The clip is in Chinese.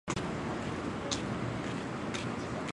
目前大中华各地区均无法定的母亲节。